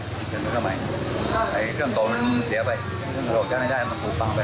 เปลี่ยนเครื่องเก่าใหม่ไอ้เครื่องเก่ามันเสียไปเขาบอกจะไม่ได้มันปูปังไป